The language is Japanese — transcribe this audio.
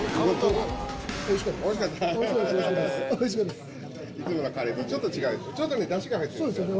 おいしかったです！